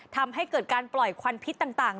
ทำให้เกิดการปล่อยควันพิษต่าง